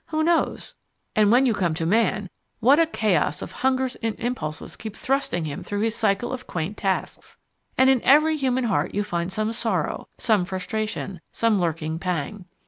Who knows? And when you come to man, what a chaos of hungers and impulses keep thrusting him through his cycle of quaint tasks! And in every human heart you find some sorrow, some frustration, some lurking pang.